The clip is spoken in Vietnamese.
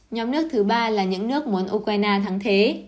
nhóm nước thứ ba là những nước muốn ukraine thắng thế